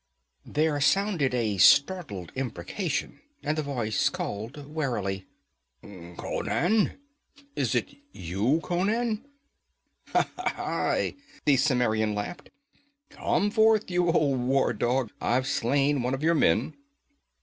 There sounded a startled imprecation, and the voice called warily. 'Conan? Is it you, Conan?' 'Aye!' the Cimmerian laughed. 'Come forth, you old war dog. I've slain one of your men.'